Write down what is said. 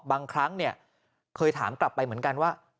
บางครั้งเนี่ยเคยถามกลับไปเหมือนกันว่า